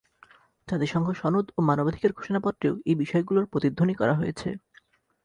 জাতিসংঘের সনদ ও মানবাধিকার ঘোষণাপত্রেও এই বিষয়গুলোর প্রতিধ্বনি করা হয়েছে।